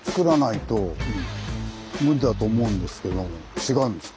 違うんですか？